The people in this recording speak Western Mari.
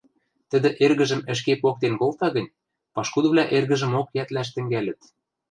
Тӹдӹ эргӹжӹм ӹшке поктен колта гӹнь, пашкудывлӓ эргӹжӹмок йӓтлӓш тӹнгӓлӹт